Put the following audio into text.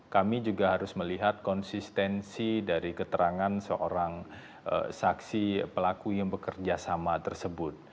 kami juga harus melihat konsistensi dari keterangan seorang saksi pelaku yang bekerja sama tersebut